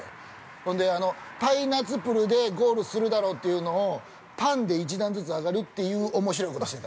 ほんで、パイナツプルでゴールするだろうというのをパンで１段ずつ上がるっていうおもしろいことしてた。